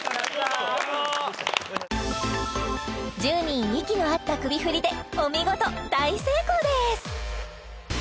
１０人息の合った首振りでお見事大成功です！